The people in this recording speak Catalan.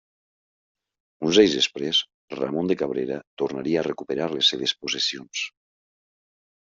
Uns anys després, Ramon de Cabrera tornaria a recuperar les seves possessions.